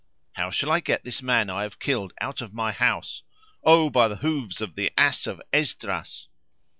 How shall I get this man I have killed out of my house? O by the hoofs of the ass of Esdras!"